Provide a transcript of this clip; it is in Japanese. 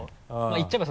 言っちゃえば。